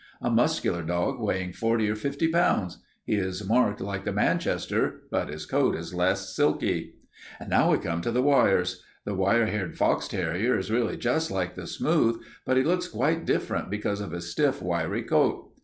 A muscular dog, weighing forty or fifty pounds. He is marked like the Manchester but his coat is less silky. "Now we come to the wires. The wire haired fox terrier is really just like the smooth, but he looks quite different because of his stiff, wiry coat.